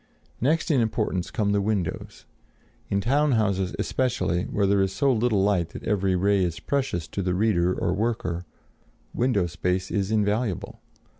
Next in importance come the windows. In town houses especially, where there is so little light that every ray is precious to the reader or worker, window space is invaluable.